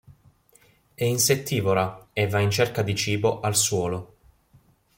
È insettivora, e va in cerca di cibo al suolo.